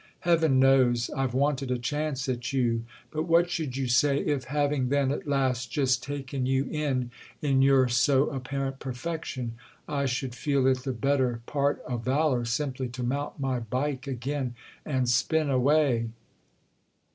"Heaven knows I've wanted a chance at you, but what should you say if, having then at last just taken you in in your so apparent perfection, I should feel it the better part of valour simply to mount my 'bike' again and spin away?"